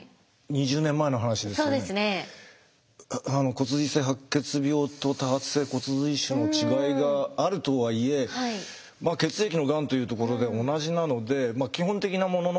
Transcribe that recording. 骨髄性白血病と多発性骨髄腫の違いがあるとはいえ血液のがんというところで同じなので基本的なものの考え方